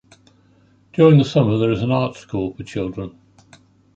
During the summer there is an art school for children.